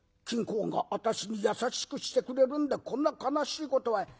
金公が私に優しくしてくれるんでこんな悲しいことは。